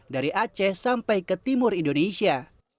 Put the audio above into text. dari aceh sampai ke timur indonesia